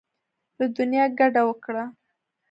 له دنیا کډه وکړه.